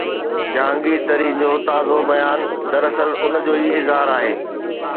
جهانگير ترين جو تازو بيان دراصل ان جو ئي اظهار آهي.